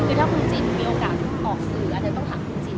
คือถ้าคุณจินมีโอกาสออกสื่ออาจจะต้องถามคุณจิน